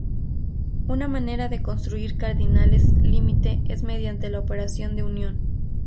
Una manera de construir cardinales límite es mediante la operación de unión.